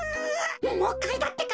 もういっかいだってか。